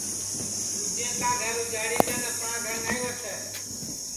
دُؔوجیں کا گھر اُجاڑی کن اپٹؔاں گھر نائیں وسے